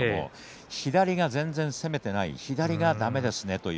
左は全然攻められていない左がだめですねと。